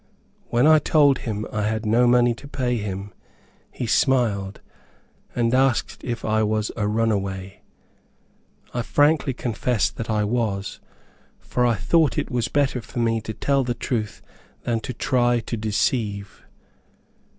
When I told him I had no money to pay him, he smiled, and asked if I was a run a way. I frankly confessed that I was, for I thought it was better for me to tell the truth than to try to deceive.